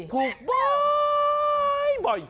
ถูกบ่อยบ่อย